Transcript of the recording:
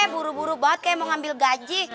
buru buru banget kayak mau ngambil gaji